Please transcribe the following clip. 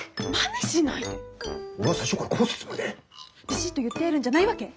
ビシッと言ってやるんじゃないわけ？